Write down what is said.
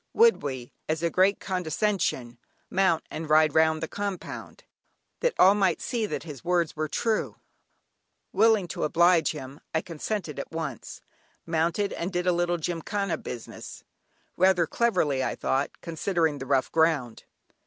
Would we, as a great condescension, mount and ride round the compound, that all might see that his words were true. Willing to oblige him, I consented at once, mounted, and did a little "gymkhana business," rather cleverly, I thought, considering the rough ground.